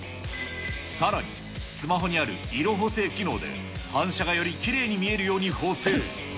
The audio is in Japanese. さらに、スマホにある色補正機能で反射がよりきれいに見えるように補整。